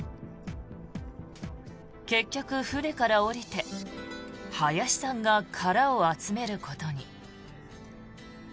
結局、船から降りて林さんが殻を集めることに。